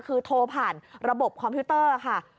คือโทรผ่านระบบคอมพิวเตอร์ค่ะ